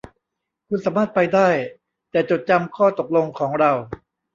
คุณสามารถไปได้ แต่จดจำข้อตกลงของเรา